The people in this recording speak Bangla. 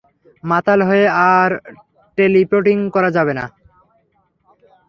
মাতাল হয়ে আর টেলিপোর্টিং করা যাবে না।